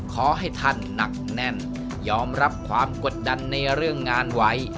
ขอให้ท่านหนักแน่นยอมรับความกดดันในเรื่องงานไว้